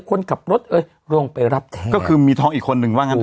คนขับรถเอ้ยลงไปรับแท้ก็คือมีท้องอีกคนนึงว่างั้นเ